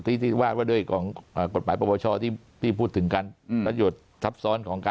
เคยว่าว่าได้กบปลาประชาที่พูดถึงการประโยชน์ทับซ้อนของ